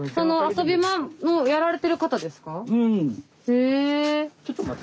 へえ。